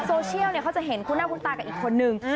โซเชียลเขาจะเห็นคุณหน้าคุณตากับอีกคนนึง